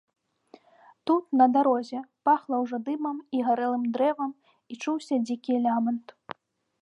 Тут, на дарозе, пахла ўжо дымам і гарэлым дрэвам і чуўся дзікі лямант.